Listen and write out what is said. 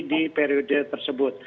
di periode tersebut